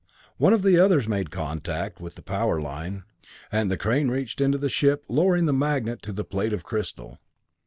One of the others made contact with the power line, and the crane reached into the ship, lowering the magnet to the plate of crystal.